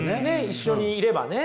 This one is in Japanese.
一緒にいればね。